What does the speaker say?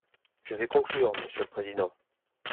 Je vais conclure, monsieur le président.